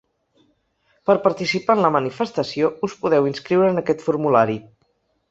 Per participar en la manifestació us podeu inscriure en aquest formulari.